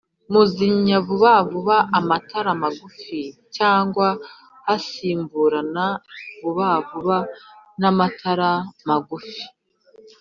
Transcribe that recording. uzimya vuba vuba amatara magufi cyangwa hasimburana vuba vuba amatara magufi